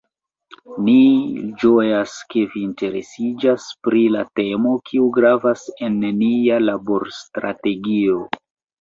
Ni ĝojas, ke vi interesiĝas pri la temo, kiu gravas en nia laborstrategio.